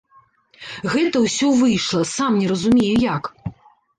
Гэта ўсё выйшла, сам не разумею як.